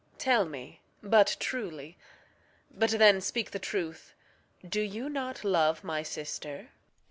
Tell me but truly but then speak the truth Do you not love my sister?